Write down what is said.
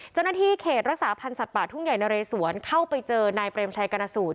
เจ้าหน้าที่เขตรักษาพันธ์สัตว์ป่าทุ่งใหญ่นะเรสวนเข้าไปเจอนายเปรมชัยกรณสูตร